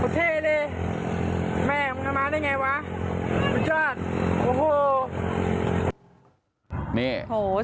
เท่เลยแม่มึงมาได้ไงวะมึงชอบโอ้โห